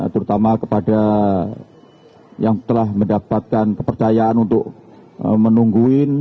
terutama kepada yang telah mendapatkan kepercayaan untuk menungguin